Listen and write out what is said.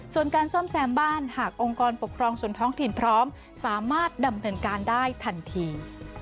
ส่วนการซ่อมแซมบ้านหากองค์กรปกครองส่วนท้องถิ่นพร้อมสามารถดำเนินการได้ทันที